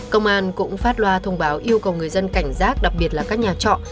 công an cũng phát loa thông báo yêu cầu người dân cảnh giác đặc biệt là các nhà trọ